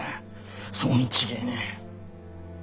そうに違えねえ。